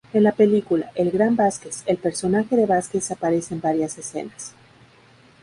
En la película "El gran Vázquez" el personaje de Vázquez aparece en varias escenas.